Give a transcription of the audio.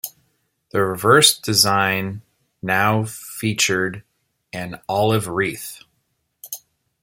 The reverse design now featured an olive wreath.